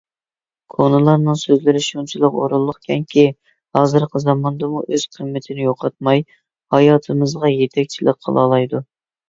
كونىلارنىڭ سۆزلىرى شۇنچىلىك ئورۇنلۇقكەنكى، ھازىرقى زاماندىمۇ ئۆز قىممىتىنى يوقاتماي، ھاياتىمىزغا يېتەكچىلىك قىلالايدۇ.